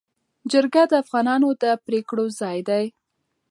جرګه د افغانانو د پرېکړو ځای دی.